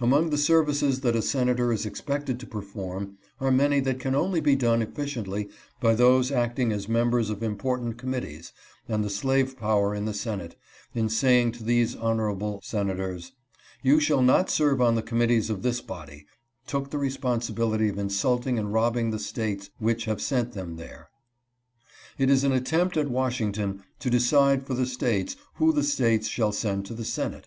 Among the services that a senator is expected to perform are many that can only be done efficiently by those acting as members of important committees, and the slave power in the Senate, in saying to these honor able senators, you shall not serve on the committees of this body, took the responsibility of insulting and robbing the States which have sent them there. It is an attempt at Washington to decide for the States who the States shall send to the Senate.